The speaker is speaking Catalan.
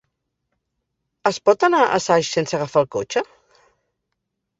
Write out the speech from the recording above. Es pot anar a Saix sense agafar el cotxe?